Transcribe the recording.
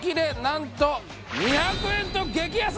なんと２００円と激安！